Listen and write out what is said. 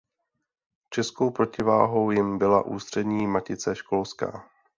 Českou protiváhou jim byla Ústřední Matice školská.